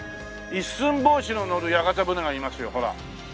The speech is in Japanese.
一寸法師の乗る屋形船がいますよほら。